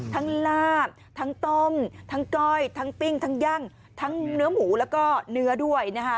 ลาบทั้งต้มทั้งก้อยทั้งปิ้งทั้งย่างทั้งเนื้อหมูแล้วก็เนื้อด้วยนะคะ